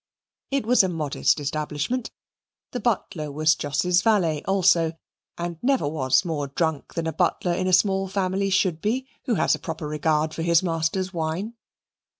It was a modest establishment. The butler was Jos's valet also, and never was more drunk than a butler in a small family should be who has a proper regard for his master's wine.